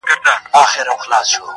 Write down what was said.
د ژوند تر پایه وړي